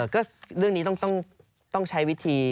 ก็เรื่องนี้ต้องใช้วิธี